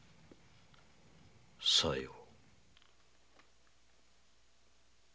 さよう。